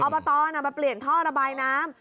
บตมาเปลี่ยนท่อระบายน้ำ